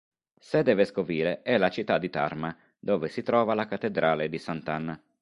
Sede vescovile è la città di Tarma, dove si trova la cattedrale di Sant'Anna.